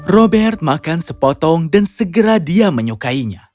robert makan sepotong dan segera dia menyukainya